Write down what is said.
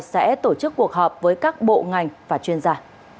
sẽ tổ chức cuộc họp với các bộ ngành và chuyên gia